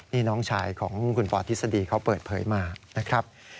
นี่น้องชายของคุณปอทฤษฎีเขาเปิดเผยมานะครับ